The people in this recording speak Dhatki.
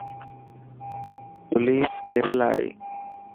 پوليس ڪير يلا آي.